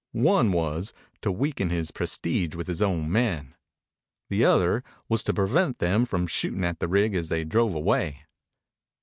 One was to weaken his prestige with his own men. The other was to prevent them from shooting at the rig as they drove away.